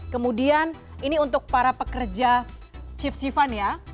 kemudian ini untuk para pekerja shift sifan ya